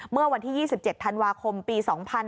เมื่อวันที่๒๗ธันวาคมปี๒๕๕๙